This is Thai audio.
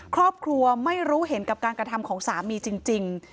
ครอบครัวไม่รู้เห็นกับการกระทำของสามีจริง